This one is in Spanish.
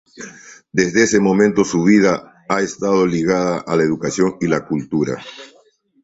Desde ese momento, su vida ha estado ligada con la educación y la cultura.